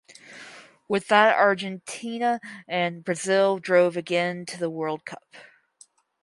With that Argentina and Brazil drove again to the World Cup.